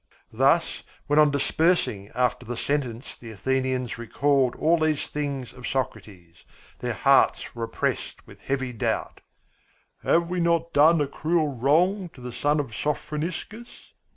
Thus, when on dispersing after the sentence the Athenians recalled all these things of Socrates, their hearts were oppressed with heavy doubt. "Have we not done a cruel wrong to the son of Sophroniscus?"